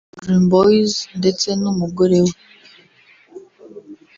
Dream Boys ndetse n’umugore we